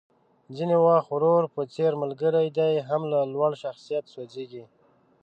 ځينې وخت ورور په څېر ملګری دې هم له لوړ شخصيت سوځېږي.